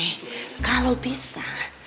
eh kalau bisa